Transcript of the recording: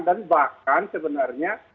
dan bahkan sebenarnya